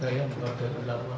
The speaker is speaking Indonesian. saya menghargai ulama